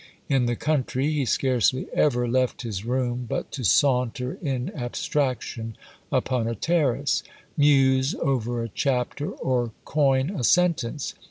In the country, he scarcely ever left his room but to saunter in abstraction upon a terrace; muse over a chapter, or coin a sentence.